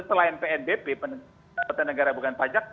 selain pnbp pertanegaraan bukan pajak